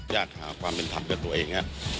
อยากหาความเป็นธรรมเพื่อตัวเอง